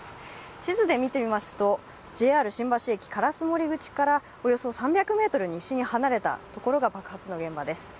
地図で見てみますと、ＪＲ新橋駅烏森口から、およそ３００ｍ西に離れたところが爆発の現場です。